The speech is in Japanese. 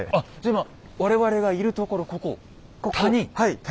今我々がいるところここ谷？